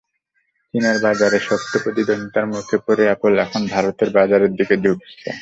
চীনের বাজারে শক্ত প্রতিদ্বন্দ্বিতার মুখে পড়ে অ্যাপল এখন ভারতের বাজারের দিকে ঝুঁকছে।